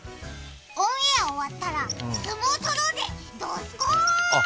オンエア終わったら相撲とろうぜ、どすこい！